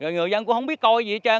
người dân cũng không biết coi gì hết trơn